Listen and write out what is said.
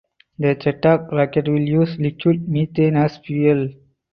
The Chetak rocket will use liquid methane as fuel.